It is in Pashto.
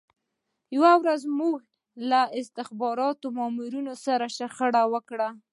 یوه ورځ موږ له استخباراتي مامورینو سره شخړه وکړه